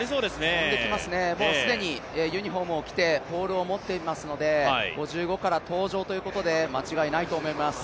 跳んできますね、もう既にユニフォームを着てポールを持っていますので５５から登場ということで間違いないと思います。